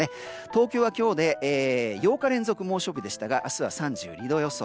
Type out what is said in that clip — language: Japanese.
東京は今日で８日連続の猛暑日でしたが明日は３２度予想。